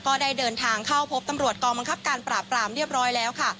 ก็ได้เดินทางเข้าพบตำรวจกองบังคับการปราบปรามเรียบร้อยแล้วค่ะ